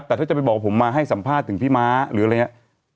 แต่ถ้าจะไปบอกผมมาให้สัมภาษณ์ถึงพี่ม้าหรืออะไรอย่างนี้